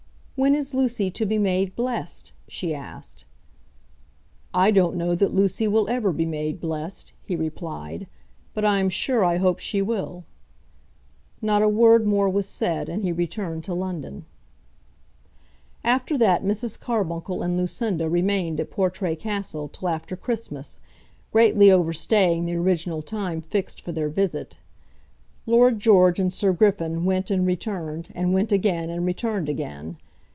"When is Lucy to be made blessed?" she asked. "I don't know that Lucy will ever be made blessed," he replied, "but I am sure I hope she will." Not a word more was said, and he returned to London. After that Mrs. Carbuncle and Lucinda remained at Portray Castle till after Christmas, greatly overstaying the original time fixed for their visit. Lord George and Sir Griffin went and returned, and went again and returned again.